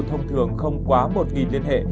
thông thường không quá một liên hệ